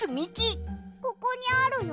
ここにあるよ。